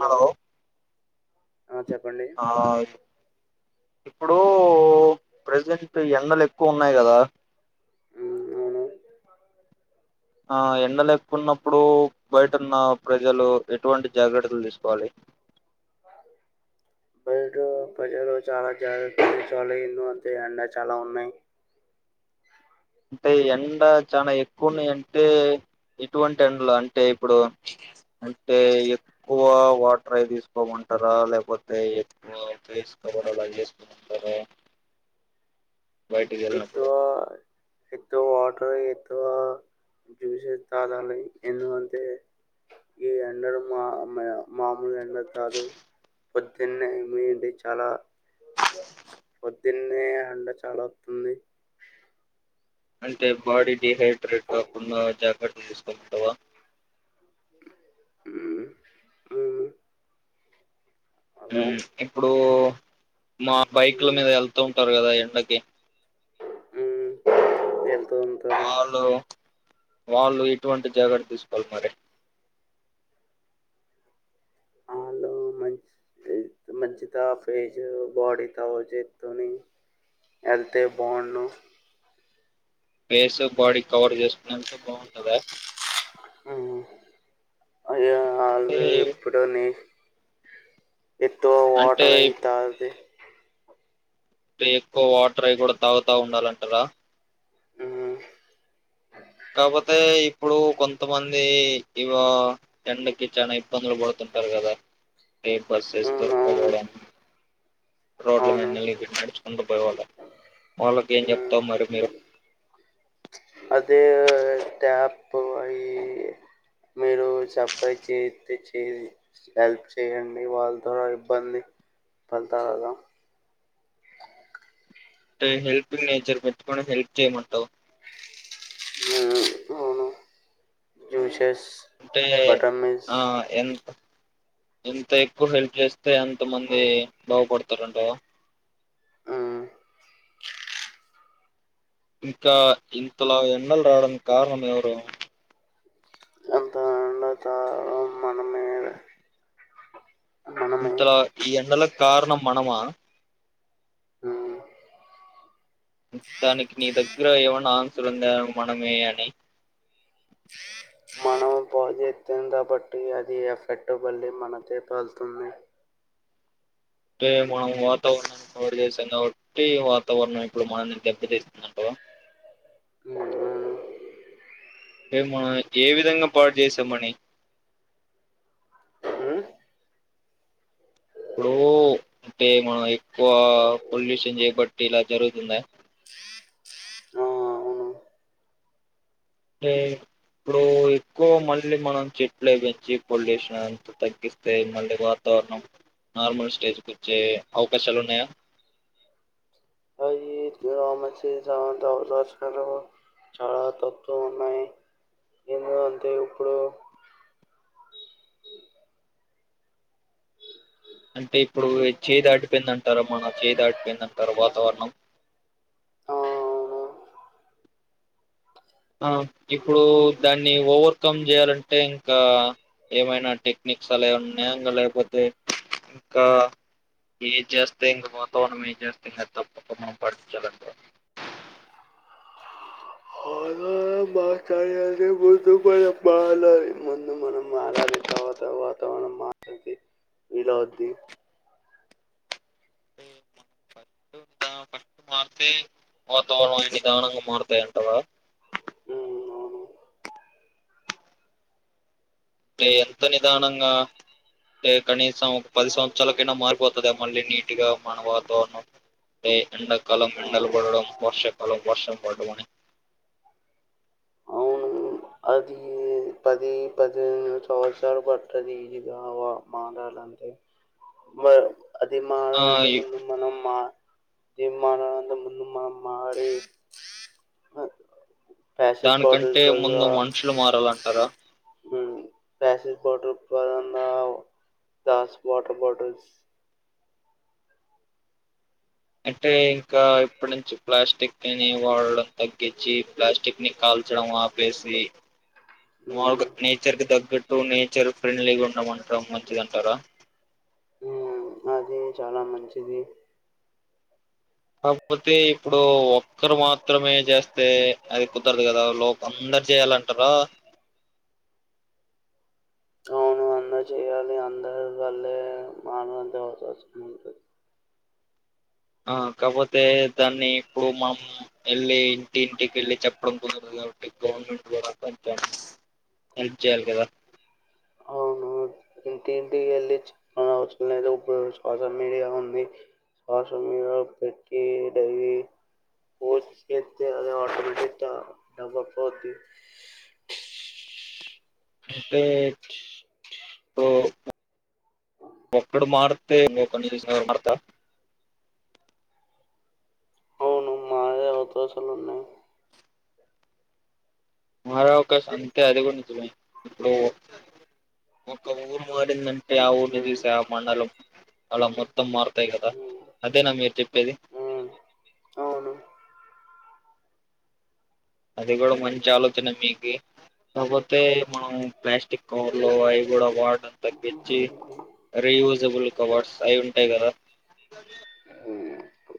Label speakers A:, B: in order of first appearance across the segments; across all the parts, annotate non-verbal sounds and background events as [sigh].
A: Hello
B: ఆ చెప్పండి
A: hi ఇప్పుడు ప్రజెంట్ ఎండలు ఎక్కువ ఉన్నాయి కదా
B: హ్మ్ అవును
A: ఆ ఎండలు ఎక్కున్నప్పుడు బయటున్న ప్రజలు ఎటువంటి జాగ్రత్తలు తీసుకోవాలి
B: [unintelligible] ప్రజలు చాలా జాగ్రత్తలు తీసుకోవాలి. ఎందుకంటే ఎండా చాలా ఉన్నాయి
A: అంటే ఎండ చాలా ఎక్కువన్నాయి అంటే ఎటువంటి ఎండలు అంటే ఇప్పుడు అంటే ఎక్కువ వాటర్ అవి తీసుకోమంటారా లేకపోతే ఎక్కువ ఫేస్ కవర్ అలా చేసుకోమంటారా బయటికి వెళ్ళినప్పుడు
B: ఎక్కువా ఎక్కువ వాటర్ ఎక్కువ జ్యూసెస్ తాగాలి ఎందుకంటే ఈ ఎండలు బాగా ఉన్నాయి మా నువ్ ఎండ కాదు పొద్దున్నే ఏమిడి చాలా పొద్దున్నే అంట చాలా వస్తుంది
A: అంటే బాడీ డిహైడ్రేట్ కాకుండా జాగ్రత్త తీసుకోమంటావా
B: మ్మ్ మ్మ్
A: మ్మ్ ఇప్పుడు మా బైక్ల
B: హ్మ్
A: మీద వెళ్తూ ఉంటారు కదా ఎండకి
B: మ్మ్ ఎల్
A: వాళ్ళు వాళ్ళు ఇటువంటి జాగ్రత్తలు తీసుకోవాలి మరి
B: వాళ్ళు మంచి మంచి కాఫేజ్ బాడీతో చేత్తోని వెళ్తే బాగుండు
A: ఫేసు, బాడీ కవర్ చేస్ హెల్త్ బాగుంటదా
B: అ వాళ్ళు
A: ఏ-
B: ఎప్పుడని ఎక్కువ
A: అంటే
B: వాటర్ అనేది తాగితే
A: ే ఎక్కువ వాటర్ అవి కూడా తాగుతా ఉండాలంటారా
B: మ్మ్
A: కాకపోతే ఇప్పుడు కొంతమంది ఇవా ఎండకి చాలా ఇబ్బందులు పడుతుంటారు కదా బస్సెస్
B: ఉమ్, అవును
A: దొరకపోవడం రోడ్ల
B: అవును
A: నడుచుకుంటూ పోయే వాళ్ళి వాళ్ళకి ఏం
B: ఉమ్.
A: చెప్తావు మరి మీరు
B: అదే ట్యాప్ అవి మీరు సఫై చేతే చే హెల్ప్ చేయండి వాళ్ళ ద్వార ఇబ్బంది పడతారు కదా
A: హెల్పింగ్ నేచర్ పెట్టుకొని హెల్ప్ చేయమంటావు
B: నను అవును జ్యూసెస్
A: [unintelligible] ఆ
B: బటర్
A: ఆ
B: మిల్స్
A: ఏమి ఎంత ఎక్కువ హెల్ప్ చేస్తే అంత మంది బాగుపడతారంట కదా ఇంకా ఇంతలో ఎండలు రాడానికి కారణం ఎవరు
B: దానికి కారణం మనమేలే
A: ఇంతలా ఈ ఎండలకు కారణం మనమా
B: ఉమ్,
A: దానికి నీ దగ్గర ఏమైన్నా ఆన్సర్ ఉందా మనమే అని
B: చెస్తంది కాబట్టి అది ఎఫెక్ట్ బళ్లి మనకే వస్తుంది
A: అంటే మనం వాతావరణాన్ని వదిలేశాం కాబట్టి వాతావరణం ఇప్పుడు మనల్ని దెబ్బ తీస్తుందంటావా
B: మూడు [unintelligible]
A: రే మనమే ఏ విధంగా పాడు చేసామని ఇప్పుడు అంటే మనం ఎక్కువ పొల్యూషన్ చేయబట్టి ఇలా జరుగుతుందా
B: అవును
A: అంటే ఇప్పుడు ఎక్కువ మళ్ళీ మనం చెట్లు పెంచి పొల్యూషన్ అంతా తగ్గిస్తే మళ్ళీ వాతావరణం నార్మల్ స్టేజ్ కు వచ్చే అవకాశాలు ఉన్నాయా
B: [unintelligible] చాలా తక్కువ ఉన్నాయి ఎందుకంటే ఇప్పుడు
A: అంటే ఇప్పుడు చే దాటిపోయిందంటారా మన చేదాటిపోయిందంటార వాతావరణం
B: ఆ, అవును
A: ఆ ఇప్పుడు దాన్ని ఓవర్కమ్ చేయాలంటే ఇంకా ఏమైనా టెక్నిక్స్ అలా ఉన్నాంకా లేకపోతే ఇంకా ఏ చేస్తే ఇంకా వాతావరణం ఏం చేస్తే ఇంకా తప్పకుడాం పాటించాలంటే
B: [unintelligible] [unintelligible] [unintelligible] [unintelligible] [unintelligible] మా మందు మనం మలారి తవాత వాతావరణం మా వలాది
A: అే మనా పస్ మారితే వాతావరణం నిదానంగా మారుతాయంటవా
B: ఉం అవును
A: అ ఎంత నిదానంగాంట కనీసం ఒక పది సంవత్సరాలకైనా మారిపోతుంది మళ్ళీ నీట్గా మన వాతావరణంంట ఎండాకాలం ఎండలు పడడం వర్షాకాలం వర్షం పడడం అని
B: అవును అది పది పది సంవత్సలు పట్ట తీజగా మారాల మ అది
A: ఆ
B: మారది
A: ఇ
B: ముందు మనం మా దమాలనంద ముందు మా మాడ
A: దానికంటే ముందు మనుషులు మారాలంటారా
B: ప్యాసిస్ బోటల్పద [unintelligible] దస్ వాటర్ బాటిల్స్
A: అంటే ఇంకా ఇప్పటి నుంచి ప్లాస్టిక్ ని వాడడం తగ్గించి ప్లాస్టిక్ ని కాల్చడం ఆపేసి మాల్
B: ఉమ్,
A: గ నేచర్ కి తగట్టు టూ నేచర్ ఫ్రెండ్లీగా ఉండమంటాం మంచిదంటారా
B: ఉం అది చాలా మంచిది
A: కాకపోతే ఇప్పుడు ఒక్కర్ మా మాత్రమే చేస్తే అది కుదరదు కదా లోప అందరు చేయాలంటారా
B: అవును అందరు చెయాలి అందరు వల్లే మానంత అవకాశం ఉంటుంది
A: ఆ కాపోతే దాన్ని ఇప్పుడు మం వెళ్ళి ఇంటింటికి వెళ్ళి చెప్పడం కుదదు కాబట్టి గవర్నమెంట్ దార కొంచెం హెల్ప్ చేయాలి కదా
B: అవును ఇంటింటికి వెళ్ళి చెప్ప అవసరం లేడు సోషల్ మీడియా ఉంది సోషల్ మీడియా పెట్టి పోస్ట్ అదిట అ
A: అంటే ఇప్పుడు ఒక్కడు మారితే ను కన్ని చస మడతా
B: అవును మాదే అవకాశాలు ఉన్నాయి
A: మారే అవకాశం అంతే అది కూడా నిజమే ఇప్పుడు ఒక ఊరు మారిందంటే అంటే ఆ ఊరిని
B: ఉమ్,
A: చూసే ఆ మండలం అలా మొత్తం మారుతాయి కదా
B: ఉమ్,
A: అదేనా మీరు చెప్పేది
B: ఉమ్, అవును
A: అది గోడా మంచి ఆలోచన మీకి కాపో అతే మనం ప్లాస్టిక్ కవర్లు అవి కూడా వాడ తగ్గిచ్చి రీయూస్ విజబుల్ కవడ్స్ అయి ఉంటాయి కదా
B: ఉమ్,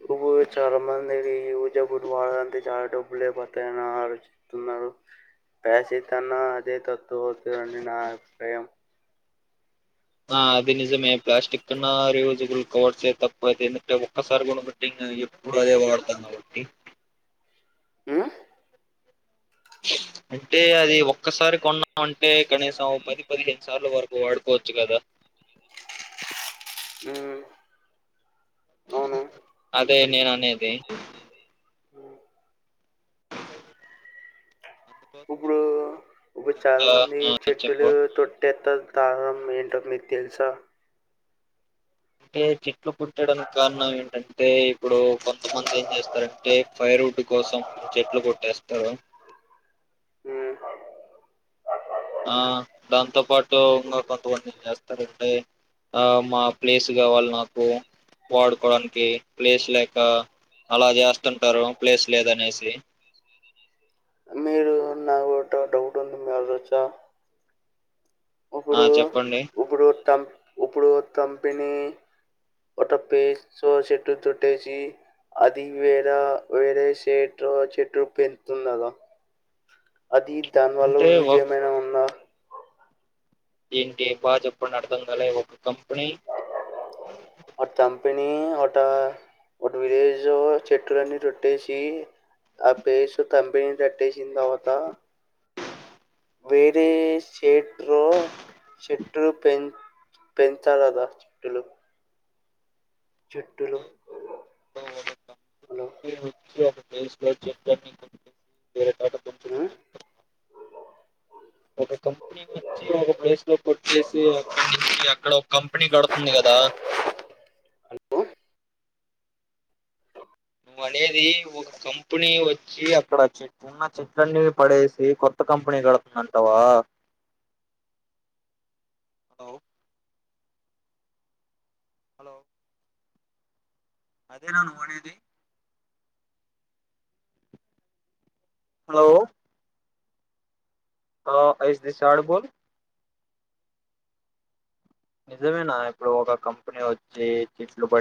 B: ఇప్పుడు చాలా మంది ఈ ఊజ గుడి వాడంటే చాలా డబ్బులుపోతాయని ఆ చెప్తున్నారు పేస తన్నా అదే తత్తువ అవుతుందని నా అభిప్రాయం
A: ఆ అది నిజమే ప్లాస్టిక్న్న రియూజబుల్ కవర్ చే తప్ప అది ఒక్కసారి గుణ పెట్టి ఎప్పుడు అదే వాడతాం కాబట్టి
B: ఉమ్
A: అంటే అది ఒక్కసారి కొన్నామంటే గణసం పది పదిహేను సార్లు వరకు వాడుకోవచ్చు కదా
B: ఉం
A: అదే నేను అనేది అందుకోసం మనం
B: ఇపు చాలా మంది చెట్టులు తొట్టెత్త కాఅరం ఏంటో మీకు తెలుసా
A: అంటే చెట్లు కొట్టడానికి కారణం ఏంటంటే ఇప్పుడు కొంతమంది ఏం చేస్తారంటే ఫైర్వుడ్ కోసం చెట్లు కొట్టేస్తారు
B: మ్మ్.
A: ఆ దాంతో పాటు ఇంగా కొంతమంది ఏం చేస్తారంటే ఆ మా ప్లేస్ కావాలి నాకు వాడుకోవడానికి ప్లేస్ లేక అలా చేస్తుంటారు ప్లేస్ లేదనేసి
B: మీరు నాకు ఒక డౌట్ ఉంది మీరు అడగచ్చా
A: ఆ
B: ఇప్పుడు
A: చెప్పండి
B: ఇప్పుడు తం ఇప్పుడు తంపిని ఒత పేస్ చెట్టు తుట్టేసి అది వేరే వేరే షేట్ చెట్టు పెంచతున్నదా అది దాని వల్ల
A: అంటే
B: వివిజ
A: ఒక
B: ఏమైనా ఉన్నా
A: ఏంటి బాగా చెప్పండి అడతం కల
B: ఒక కంపిని ఆట ఒక విలేజ్ చెట్టులన్నీ కోట్టేసి ఆ ప్లేస్ కంపిని కట్టేసిన తర్వాత వేరే స్టేటరు చెట్టు పెం పెంచాల కదా చేట్టులు
A: [unintelligible]
B: హలో
A: వెస్ట్ గా చెట్లని కొట్టేసి వేరే కాడ త ఒక కంపెనీ వచ్చి ఒక ప్లేస్ లో కొచ్చేసి అక్కడి నుంచి అక్కడ ఒక కంపెనీ కడుతుంది కదా నువ్వ అనేది ఒక కంపెనీ వచ్చి అక్కడ చె ఉన్న చెట్లన్నీ పడేసి కొత్త కంపెనీ కడుతుందాటావా హలో హలో అదే నా నువ్వు అనేది హలో స్ దిస్ శాడు బోల్ నిజమేనా ఇప్పుడు ఒక కంపెనీ వచ్చి చెట్లు పడి